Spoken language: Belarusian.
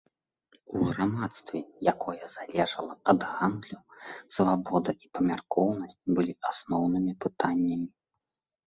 У грамадстве, якое залежала ад гандлю, свабода і памяркоўнасць былі асноўнымі пытаннямі.